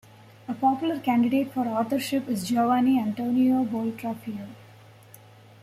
A popular candidate for authorship is Giovanni Antonio Boltraffio.